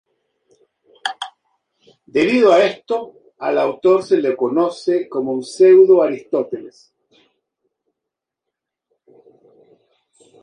Debido a esto, al autor se lo conoce como un Pseudo-Aristóteles.